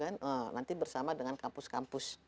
nanti bersama dengan kampus kampus